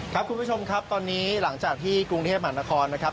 ครับคุณผู้ชมครับตอนนี้หลังจากที่กรุงเทพมหานครนะครับ